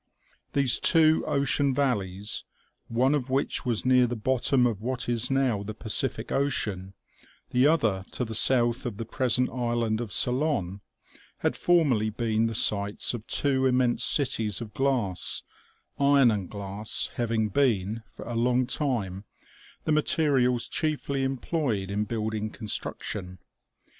These two ocean valleys, one of which was near the bottom of what is now the Pacific ocean, the other to the south of the present island of Ceylon, had formerly been the sites of two immense cities of glass iron and glass having been, for a long time, the materials chiefly employed in building construction.